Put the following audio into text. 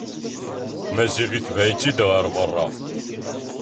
Maziɣ itbeɛ-itt-id ɣer berra.